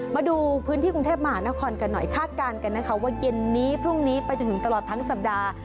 มาดูพื้นที่กรุงเทพมหานครกันหน่อยคาดการณ์กันนะคะว่าเย็นนี้พรุ่งนี้ไปจนถึงตลอดทั้งสัปดาห์